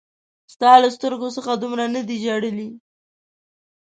ستا له سترګو څخه دومره نه دي ژړلي